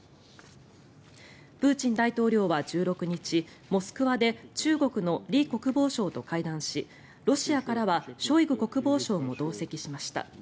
プーチン大統領は１６日モスクワで中国のリ国防相と会談しロシアからはショイグ国防相も同席しました。